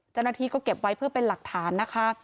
เจ้าหน้าที่ก็เก็บไว้เพื่อเป็นหลักฐานนะคะ